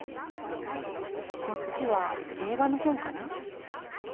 こっちは映画の本かな？